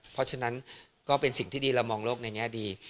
เพราะฉะนั้นก็เป็นสิ่งที่ดีเรามองโลกในแง่ดี